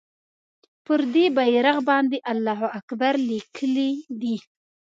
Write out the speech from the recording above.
پر دې بېرغ باندې الله اکبر لیکلی دی.